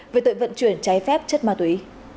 về tội vận chuyển trái phép chất ma túy